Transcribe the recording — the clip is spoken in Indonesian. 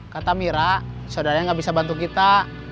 kata mira saudaranya gak bisa bantu kita